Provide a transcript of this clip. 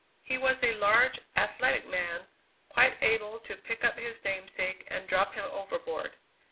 He was a large, athletic man, quite able to pick up his namesake and drop him overboard.